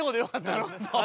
なるほど。